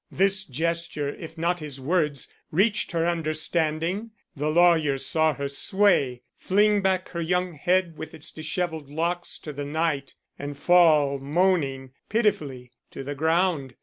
This gesture, if not his words, reached her understanding. The lawyer saw her sway, fling back her young head with its disheveled locks to the night, and fall moaning pitifully to the ground.